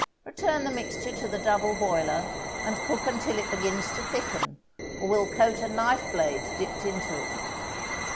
Return the mixture to the double boiler and cook until it begins to thicken, or will coat a knife blade dipped into it.